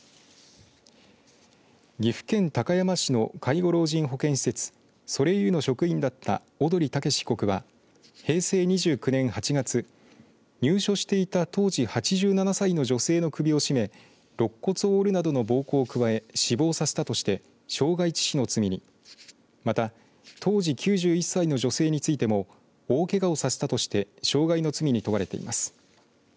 岐阜県高山市の介護老人保健施設それいゆの職員だった小鳥剛被告は平成２９年８月入所していた、当時８７歳の女性の首を絞めろっ骨を折るなどの暴行を加え死亡させたとして傷害致死の罪にまた当時９１歳の女性についても大けがをさせたとして傷害の罪に問われています。